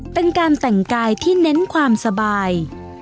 เป็นการแต่งกายที่เน้นความสบาย